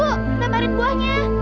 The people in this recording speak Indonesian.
bu leparin buahnya